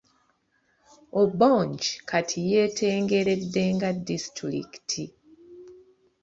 Obongi kati yeetengeredde nga disitulikiti.